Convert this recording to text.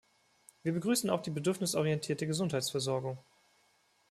Wir begrüßen auch die bedürfnisorientierte Gesundheitsversorgung.